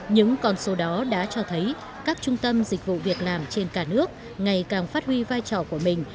những con số đó đã cho thấy các trung tâm dịch vụ việc làm trên cả nước ngày càng phát huy vai trò của mình